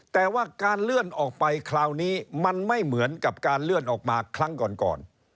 แต่ว่าการเลื่อนออกไปคราวนี้มันไม่เหมือนกับการเลื่อนออกมาครั้งก่อน